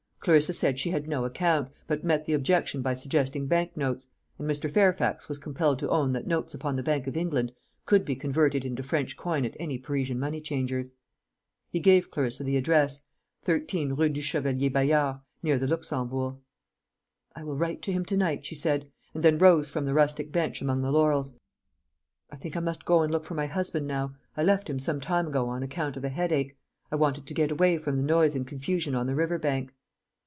Clarissa said she had no account, but met the objection by suggesting bank notes; and Mr. Fairfax was compelled to own that notes upon the Bank of England could be converted into French coin at any Parisian money changer's. He gave Clarissa the address, 13, Rue du Chevalier Bayard, near the Luxembourg. "I will write to him to night," she said, and then rose from the rustic bench among the laurels. "I think I must go and look for my husband now. I left him some time ago on account of a headache. I wanted to get away from the noise and confusion on the river bank."